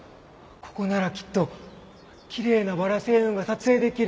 ここならきっときれいなバラ星雲が撮影出来る。